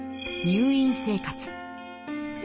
入院生活。